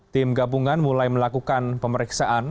tim gabungan mulai melakukan pemeriksaan